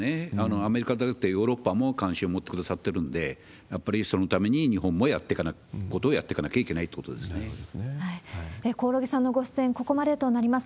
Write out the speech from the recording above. アメリカだって、ヨーロッパも関心を持ってくださってるんで、やっぱりそのために日本もやっていくことをやっていかなきゃいけ興梠さんのご出演、ここまでとなります。